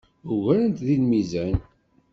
Ugaren-t deg lmizan.